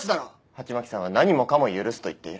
鉢巻さんは何もかも許すと言っている。